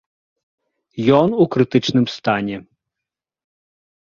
Ён у крытычным стане.